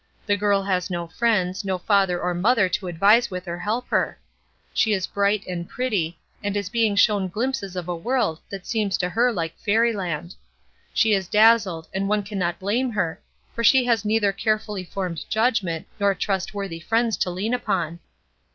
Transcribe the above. The girl has no friends, no father or mother to advise with or help her. She is bright and pretty, and is being shown glimpses of a world that seems to her like fairyland. She is dazzled, and one cannot blame her, for she has neither carefully formed judgment nor trustworthy friends to lean upon.